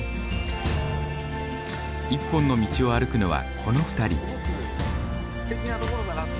一本の道を歩くのはこの２人。